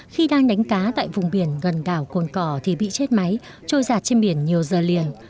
khi đang đánh cá tại vùng biển gần đảo cồn cỏ thì bị chết máy trôi giặt trên biển nhiều giờ liền